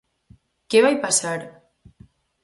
¿Que vai pasar?